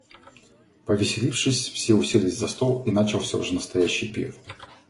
Повеселившись, все уселись за стол, и начался уже настоящий пир.